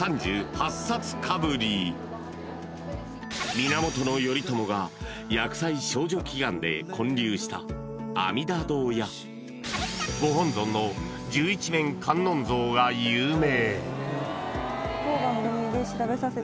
［源頼朝が厄災消除祈願で建立した阿弥陀堂やご本尊の十一面観音像が有名］